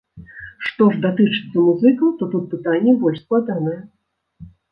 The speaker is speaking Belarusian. Што ж датычыцца музыкаў, то тут пытанне больш складанае.